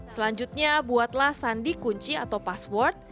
selanjutnya buatlah sandi kunci atau password